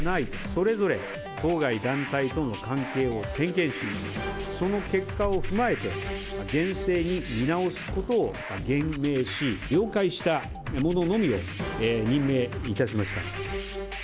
それぞれ当該団体との関係を点検し、その結果を踏まえて、厳正に見直すことを厳命し、了解した者のみを任命いたしました。